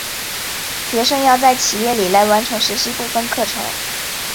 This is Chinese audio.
学生要在企业里来完成实习部分课程。